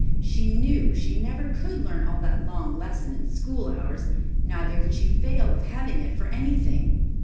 She knew she never could learn all that long lesson in school hours, neither would she fail of having it for anything.